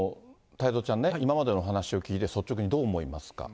太蔵ちゃんね、今までの話を聞いて、率直にどう思いますか？